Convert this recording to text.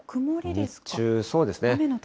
日中、そうですね。